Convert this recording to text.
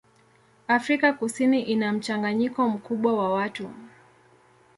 Afrika Kusini ina mchanganyiko mkubwa wa watu.